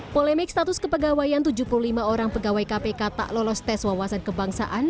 polemik status kepegawaian tujuh puluh lima orang pegawai kpk tak lolos tes wawasan kebangsaan